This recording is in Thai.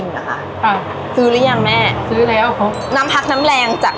มีขอเสนออยากให้แม่หน่อยอ่อนสิทธิ์การเลี้ยงดู